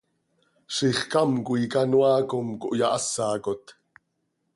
¡Zixcám coi canoaa com cöhahásacot!